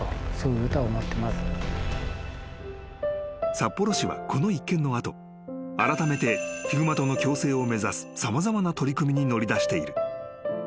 ［札幌市はこの一件の後あらためてヒグマとの共生を目指す様々な取り組みに乗り出している］